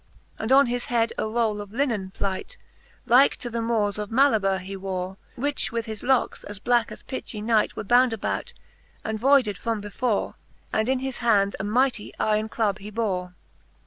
And on his head a roll of linnen plight. Like to the Mores of Malaber, he wore ; Which with his locks, as blacke as pitchy night. Were bound about, and voyded from before, And in his hand a mighty yron club he bore.